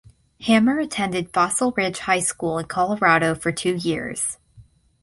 Hammer attended Fossil Ridge High School in Colorado for two years.